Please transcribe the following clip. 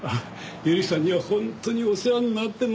友里さんには本当にお世話になってます。